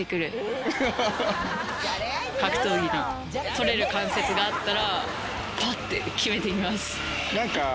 格闘技の取れる関節があったらパッて決めてきます。